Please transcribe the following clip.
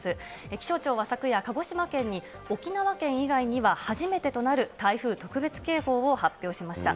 気象庁は昨夜、鹿児島県に沖縄県以外には初めてとなる台風特別警報を発表しました。